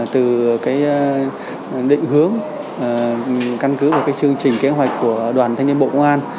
từ cái định hướng căn cứ và cái chương trình kế hoạch của đoàn thanh niên bộ ngoan